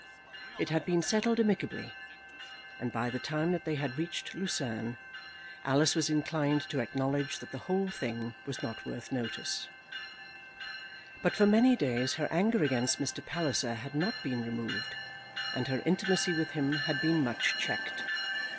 It had been settled amicably, and by the time that they had reached Lucerne, Alice was inclined to acknowledge that the whole thing was not worth notice; but for many days her anger against Mr. Palliser had not been removed, and her intimacy with him had been much checked.